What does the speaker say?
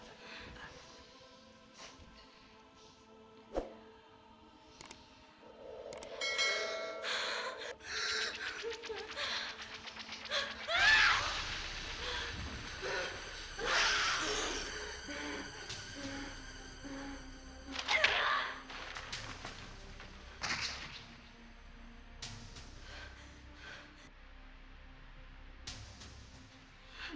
jangan banyak pertanyaan